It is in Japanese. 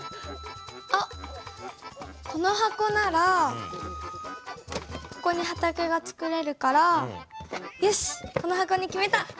あっこの箱ならここに畑がつくれるからよしこの箱に決めた。